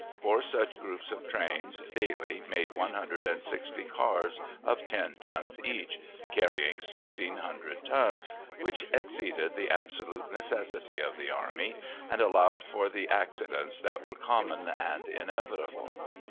Four such groups of trains daily made one hundred and sixty cars, of ten tons each, carrying sixteen hundred tons, which exceeded the absolute necessity of the army, and allowed for the accidents that were common and inevitable.